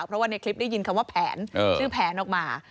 เพราะว่าในคลิปได้ยินคำว่าแผนชื่อแผนออกมา